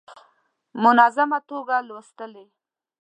منظمه توګه لوستلې.